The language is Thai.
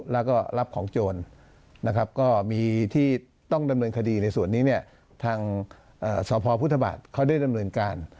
แล้วก็รับของโจรนะครับก็มีที่ต้องดำเนินคดีในส่วนนี้เนี่ยทางสพพุทธบาทเขาได้ดำเนินการ